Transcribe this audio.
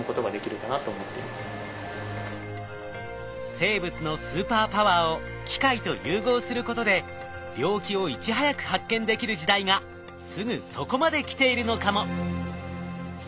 生物のスーパーパワーを機械と融合することで病気をいち早く発見できる時代がすぐそこまで来ているのかも！